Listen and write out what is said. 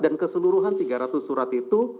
dan keseluruhan tiga ratus surat itu